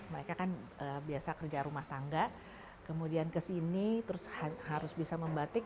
mereka kan biasa kerja rumah tangga kemudian kesini terus harus bisa membatik